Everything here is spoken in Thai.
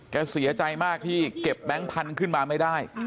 เสียใจมากที่เก็บแบงค์พันธุ์ขึ้นมาไม่ได้